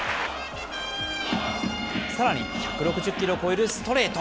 さらに１６０キロを超えるストレート。